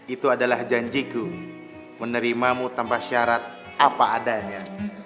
itu adalah janjiku menerimamu tanpa syarat apa adanya